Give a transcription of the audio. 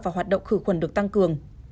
và hoạt động khử quần được tăng cường